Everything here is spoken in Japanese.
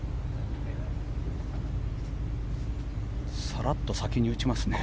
さらっと先に打ちますね。